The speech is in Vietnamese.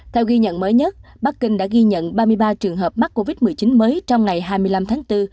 theo ghi nhận mới nhất bắc kinh đã ghi nhận ba mươi ba trường hợp mắc covid một mươi chín mới trong ngày hai mươi năm tháng bốn